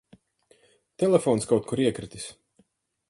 Telefons kaut kur iekritis.